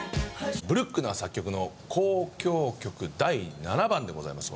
ブルックナー作曲の『交響曲第７番』でございます。